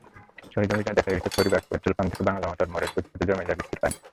সরেজমিনে দেখা গেছে, পরীবাগ পেট্রলপাম্প থেকে বাংলামোটর মোড়ের ফুটপাতে জমে যায় বৃষ্টির পানি।